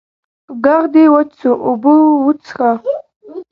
ږغ دي وچ سو، اوبه وڅيښه!